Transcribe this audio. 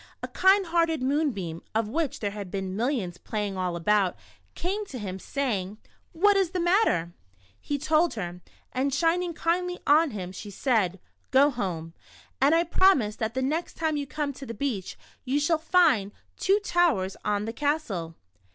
A kind hearted moonbeam, of which there had been mil lions playing all about, came to him, saying :" What is the matter ?" He told her, and shining kindly on him, she said :" Go home, and I promise that the next time you come to the beach, you shall find two towers on the castle."